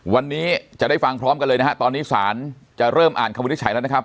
วันนี้จะได้ฟังพร้อมกันเลยนะฮะตอนนี้ศาลจะเริ่มอ่านคำวินิจฉัยแล้วนะครับ